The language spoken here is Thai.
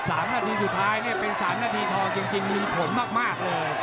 สามนาทีสุดท้ายเนี่ยเป็นสามนาทีทองจริงมีผลมากมากเลย